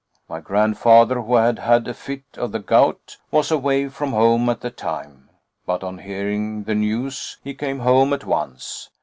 My grandfather, who had had a fit of the gout, was away from home at the time, but on hearing the news he came home at once.